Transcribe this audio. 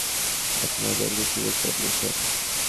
আপনিই ওদেরকে সুযোগ করে দিয়েছেন!